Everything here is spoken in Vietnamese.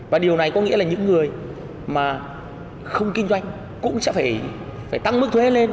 và điều này có nghĩa là những người mà không kinh doanh cũng sẽ phải tăng mức thuế lên